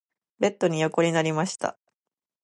ベッドに横になりました。